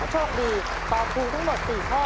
โชคดีตอบถูกทั้งหมด๔ข้อ